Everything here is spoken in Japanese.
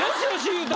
言うた！